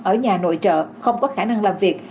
ở nhà nội trợ không có khả năng làm việc